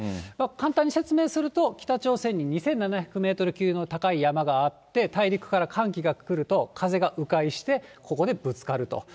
簡単に説明すると、北朝鮮に２７００メートル級の高い山があって、大陸から寒気が来ると、風がう回して、ここでぶつかると。